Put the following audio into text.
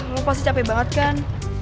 kamu pasti capek banget kan